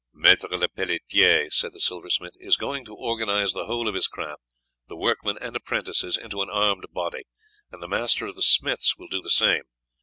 "Maître Lepelletiere," said the silversmith, "is going to organize the whole of his craft, the workmen and apprentices, into an armed body, and the master of the smiths will do the same.